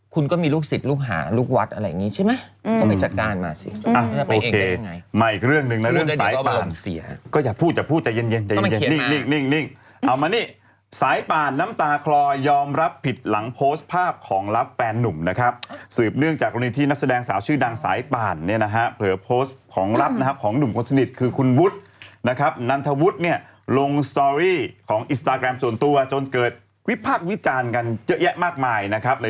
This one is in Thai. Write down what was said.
ก็เดี๋ยวเรียกมาให้เศร้าต้อปากปลาละ